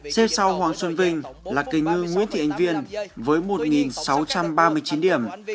xếp sau hoàng xuân vinh là kỳ ngư nguyễn thị ánh viên với một sáu trăm ba mươi chín điểm